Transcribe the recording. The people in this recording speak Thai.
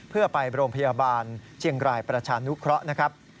เพื่อไปโรงพยาบาลเชียงรายประชานุเคราะห์นะครับ